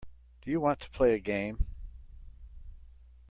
Do you want to play a game.